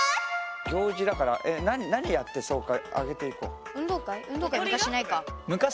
行事だから何やってそうか挙げていこう。